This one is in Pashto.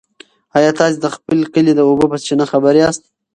ایا تاسي د خپل کلي د اوبو په چینه خبر یاست؟